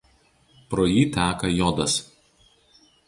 Pro jį teka Jodas.